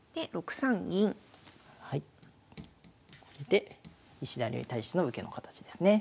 で石田流に対しての受けの形ですね。